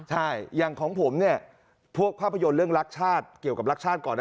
ใช่อย่างของผมเนี่ยพวกภาพยนตร์เรื่องรักชาติเกี่ยวกับรักชาติก่อนนะ